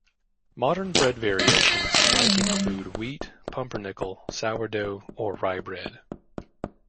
Modern bread variations might include wheat, pumpernickel, sour dough or rye bread.